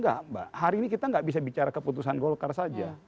enggak mbak hari ini kita nggak bisa bicara keputusan golkar saja